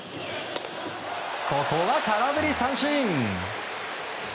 ここは空振り三振。